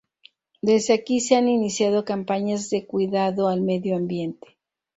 Desde aquí se han iniciado campañas de cuidado al medio ambiente.